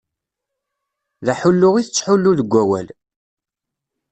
D aḥullu i tettḥullu deg wawal.